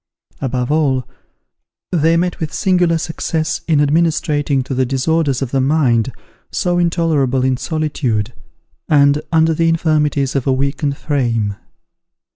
Above all, they met with singular success in administrating to the disorders of the mind, so intolerable in solitude, and under the infirmities of a weakened frame.